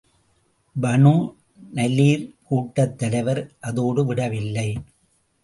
Banu நலீர் கூட்டத் தலைவர் அதோடு விடவில்லை.